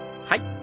はい。